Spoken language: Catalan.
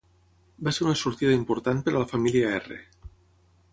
Va ser una sortida important per a la família R.